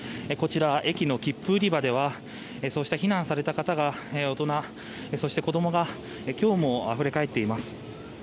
こちら駅の切符売り場ではそうして避難された方が大人、そして子供が今日もあふれかえっています。